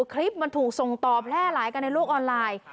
คลิปมันถูกส่งต่อแพร่หลายกันในโลกออนไลน์